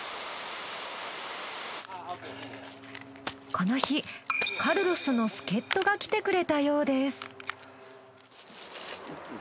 この日カルロスの助っ人が来てくれたようです。